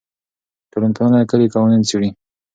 ټولنپوهنه کلي قوانین څېړي.